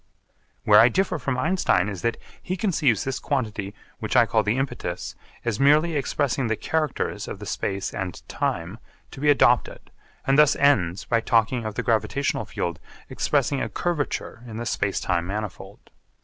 Where I differ from Einstein is that he conceives this quantity which I call the impetus as merely expressing the characters of the space and time to be adopted and thus ends by talking of the gravitational field expressing a curvature in the space time manifold.